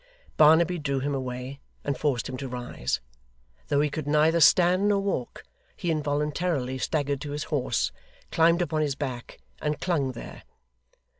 Barnaby drew him away, and forced him to rise. Though he could neither stand nor walk, he involuntarily staggered to his horse, climbed upon his back, and clung there.